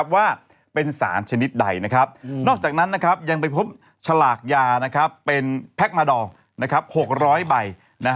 ว่าเป็นสารชนิดใดนอกจากนั้นยังไปพบฉลากยาเป็นแพ็คมาดอร์๖๐๐ใบ